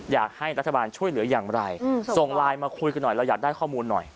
อยากให้รัฐบาลช่วยเหลืออย่างไรส่งไลน์มาคุยกันหน่อยเราอยากได้ข้อมูลหน่อย